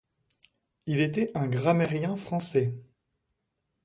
Il était un grammairien français.